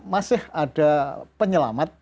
masih ada penyelamat